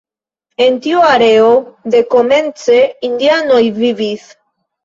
En tiu areo dekomence indianoj vivis.